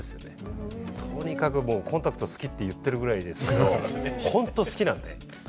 とにかくコンタクト好きって言ってるぐらいですけどホント好きなんで。